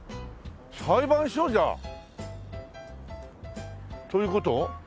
裁判所？じゃあ。という事？